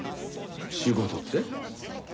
仕事って？